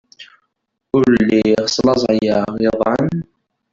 Ur lliɣ slaẓayeɣ iḍan.